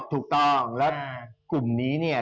ถูกต้องและกลุ่มนี้เนี่ย